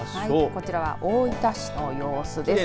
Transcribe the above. こちらは、大分市の様子です。